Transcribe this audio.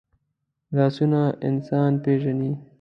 لاسونه انسان پېژني